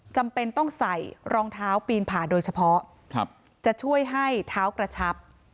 จำเป็นต้องใส่รองเท้าปีนผ่าโดยเฉพาะจะช่วยให้เท้ากระชับ